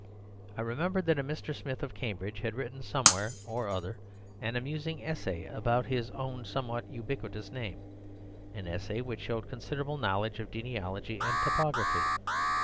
I remembered that a Mr. Smith of Cambridge had written somewhere or other an amusing essay about his own somewhat ubiquitous name— an essay which showed considerable knowledge of genealogy and topography.